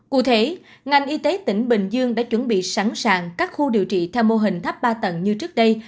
cụ thể ngành y tế tỉnh bình dương đã chuẩn bị sẵn sàng các khu điều trị theo mô hình thấp ba tầng như trước đây